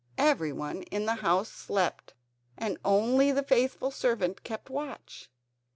Everyone in the house slept, and only the faithful servant kept watch.